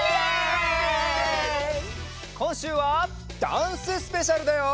こんしゅうはダンススペシャルだよ！